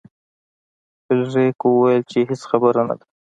فلیریک وویل چې هیڅ خبره نه ده.